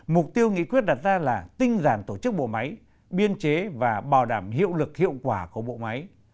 mục tiêu nghị quyết đặt ra là tinh giản tổ chức bộ máy biên chế và bảo đảm hiệu lực hiệu quả của bộ máy